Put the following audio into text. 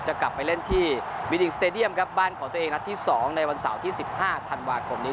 จะกลับไปเล่นที่วิดิกสเตดียมครับบ้านของตัวเองนัดที่๒ในวันเสาร์ที่๑๕ธันวาคมนี้